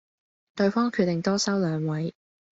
對方決定多收兩位